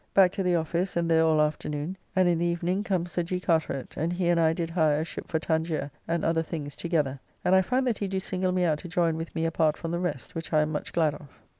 Back to the office and there all afternoon, and in the evening comes Sir G. Carteret, and he and I did hire a ship for Tangier, and other things together; and I find that he do single me out to join with me apart from the rest, which I am much glad of.